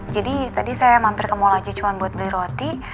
tadi saya mampir ke mall aja cuma buat beli roti